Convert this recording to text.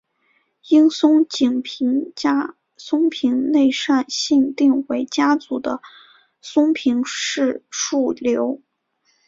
樱井松平家松平内膳信定为家祖的松平氏庶流。